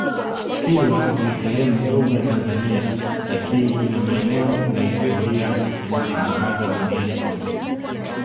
Kilwa ni sehemu ndogo ya Tanzania lakini ina maeneo na historia inayoshangaza duniani kote